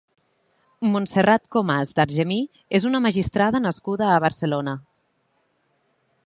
Montserrat Comas d'Argemir és una magistrada nascuda a Barcelona.